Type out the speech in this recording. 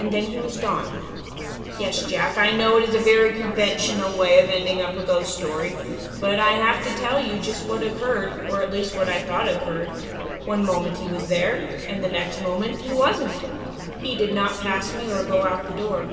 "And then he was gone yes, Jack, I know it is a very conventional way of ending up a ghost story,| but I have to tell you just what occurred, or at least what I thought occurred. One moment he was there and the next moment he wasn't. He did not pass me or go out of the door.